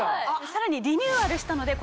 さらにリニューアルしたので。